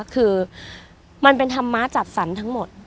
คือมันเป็นธรรมะจัดสรรทั้งหมด